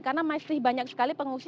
karena masih banyak sekali pengungsi